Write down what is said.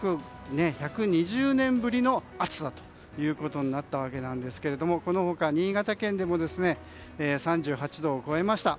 １２０年ぶりの暑さということになったんですがこの他、新潟県でも３８度を超えました。